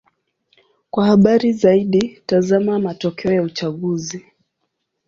Kwa habari zaidi: tazama matokeo ya uchaguzi.